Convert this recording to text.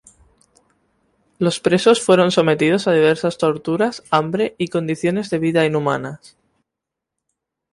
Los presos fueron sometidos a diversas torturas, hambre y condiciones de vida inhumanas.